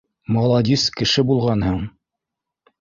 — Маладис кеше булғанһың